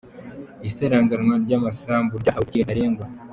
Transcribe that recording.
Isaranganywa ry’amasambu ryahawe igihe ntarengwa